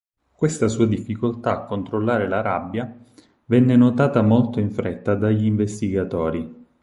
Questa sua difficoltà a controllare la rabbia venne notata molto in fretta dagli investigatori.